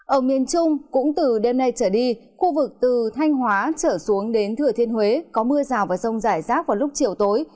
ở miền trung cũng từ đêm nay trở đi khu vực từ thanh hóa trở xuống đến thừa thiên huế có mưa rào và rông rải rác vào lúc chiều tối